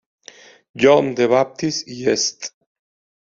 John the Baptist y St.